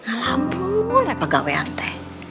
ngalam pun lepak gawe ante